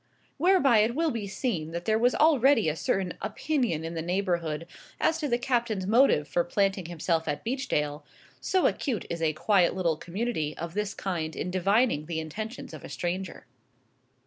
Whereby it will be seen that there was already a certain opinion in the neighbourhood as to the Captain's motive for planting himself at Beechdale so acute is a quiet little community of this kind in divining the intentions of a stranger.